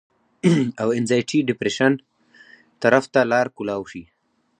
او انزائټي ډپرېشن طرف ته لار کولاو شي